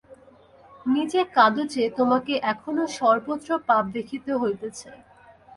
নিজে কাঁদ যে, তোমাকে এখনও সর্বত্র পাপ দেখিতে হইতেছে।